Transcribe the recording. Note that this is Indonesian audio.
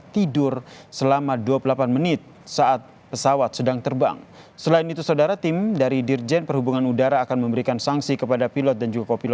tidak ada korban dalam insiden ini